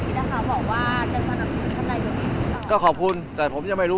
ท่านรองรายการส่วนทิศนะคะบอกว่าเจ้าสนับสนุนท่านใดยังไม่รู้